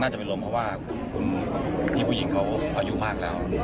จะเป็นลมเพราะว่าคุณพี่ผู้หญิงเขาอายุมากแล้ว